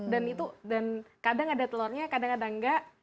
dan itu dan kadang ada telurnya kadang ada nggak